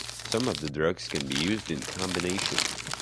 Some of the drugs can be used in combination.